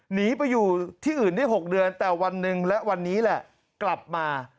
หนีไปอยู่ที่อื่นได้๖เดือนแต่วันหนึ่งและวันนี้แหละกลับมา